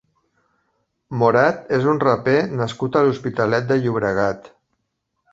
Morad és un raper nascut a l'Hospitalet de Llobregat.